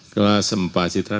kelas berapa kelas empat